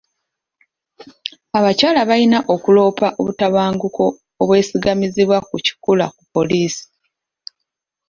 Abakyala balina okuloopa obutabanguko obwesigamizibwa ku kikula ku poliisi.